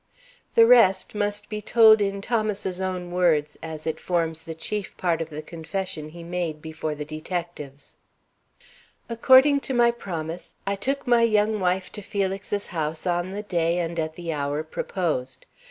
The rest must be told in Thomas's own words, as it forms the chief part of the confession he made before the detectives: According to my promise, I took my young wife to Felix's house on the day and at the hour proposed.